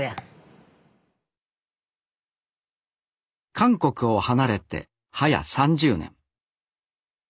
韓国を離れてはや３０年。